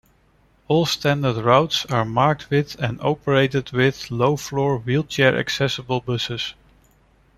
All standard routes are marked with and operated with low-floor, wheelchair-accessible buses.